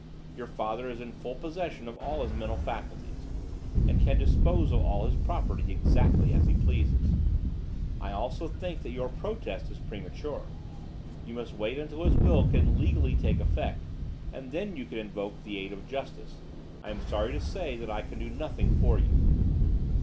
Your father is in full possession of all his mental faculties, and can dispose of all his property exactly as he pleases. I also think that your protest is premature; you must wait until his will can legally take effect, and then you can invoke the aid of justice; I am sorry to say that I can do nothing for you."